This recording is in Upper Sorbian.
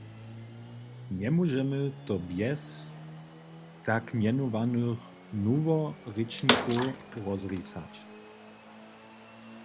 Njemóžemy to bjez tak mjenowanych "noworěčnikow" rozrisać.